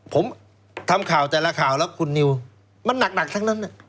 ผมทำข่าวแต่ละข่าวแล้วคุณนิวมันหนักทั้งนั้น